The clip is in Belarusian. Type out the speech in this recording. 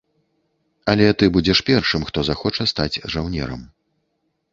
Але ты будзеш першым, хто захоча стаць жаўнерам.